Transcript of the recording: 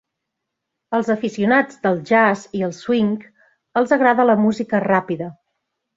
Als aficionats del jazz i el swing els agrada la música ràpida.